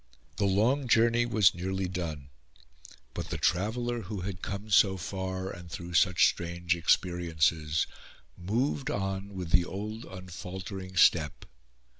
The long journey was nearly done. But the traveller, who had come so far, and through such strange experiences, moved on with the old unfaltering step.